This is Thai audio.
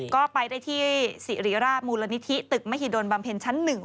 ก็ไปได้ที่สิริราชมูลนิธิตึกมหิดลบำเพ็ญชั้น๑